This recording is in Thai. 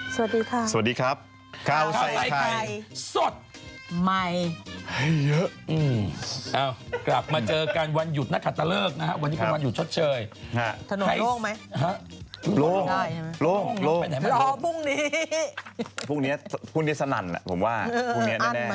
สวัสดีค่ะสวัสดีครับข้าวใส่ไข่สดใหม่ให้เยอะกลับมาเจอกันวันหยุดนักขัดตะเลิกนะครับวันนี้คือวันหยุดชดเชยทะโนโล่งไหม